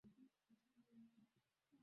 Bidhaa zile ni bei rahisi.